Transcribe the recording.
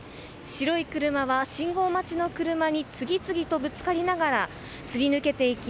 白い車は信号待ちの車に次々とぶつかりながらすり抜けて行き